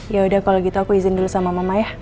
yaudah kalau gitu aku izin dulu sama mama ya